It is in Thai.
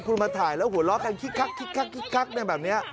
คุณมาถ่ายแล้วหัวล้อกันคิกแบบนี้